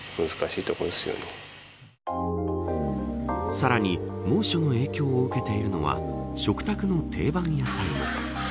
さらに、猛暑の影響を受けているのは食卓の定番野菜も。